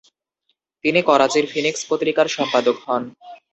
তিনি করাচির ফিনিক্স পত্রিকার সম্পাদক হন ।